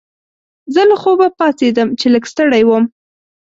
زه له خوبه پاڅیدم چې لږ ستړی وم.